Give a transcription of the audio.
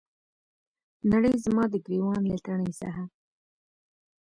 نړۍ زما د ګریوان له تڼۍ څخه